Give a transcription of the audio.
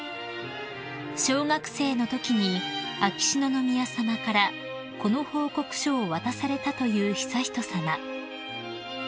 ［小学生のときに秋篠宮さまからこの報告書を渡されたという悠仁さま］